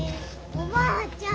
おばあちゃん！